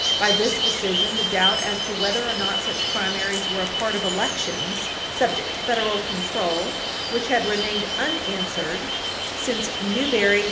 By this decision, the doubt as to whether or not such primaries were a part of "elections" subject to Federal control, which had remained unanswered since Newberry v.